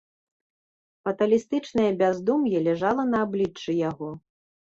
Фаталістычнае бяздум'е ляжала на абліччы яго.